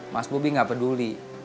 mas bobi gak peduli